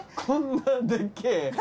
こんなでっけぇ。